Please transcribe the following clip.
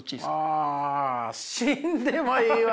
あ死んでもいいは。